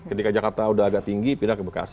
ketika jakarta udah agak tinggi pindah ke bekasi